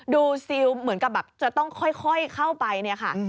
ดูซิลเหมือนกับจะต้องค่อยเข้าไป